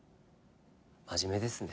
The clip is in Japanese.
真面目ですね。